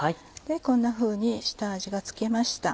こんなふうに下味が付きました。